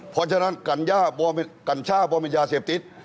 เพราะฉะนั้นกัญญาบวมเป็นยาเสพติด